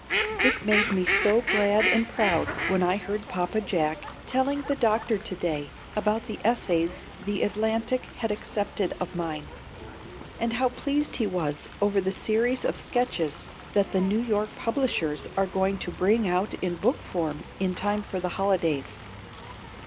It made me so glad and proud when I heard Papa Jack telling the doctor to day about the essays the Atlantic had accepted of mine, and how pleased he was over the series of sketches that the New York publishers are going to bring out in book form in time for the holidays.